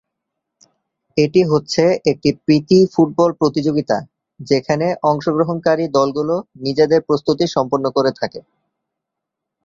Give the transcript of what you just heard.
এটি হচ্ছে একটি প্রীতি ফুটবল প্রতিযোগিতা, যেখানে অংশগ্রহণকারী দলগুলো নিজেদের প্রস্তুতি সম্পন্ন করে থাকে।